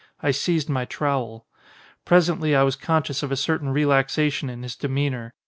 I seized my trowel. Pres ently I was conscious of a certain relaxation in his demeanour.